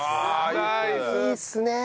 いいっすね。